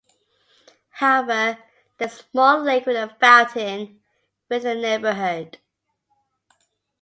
However, there is a small lake with a fountain within the neighborhood.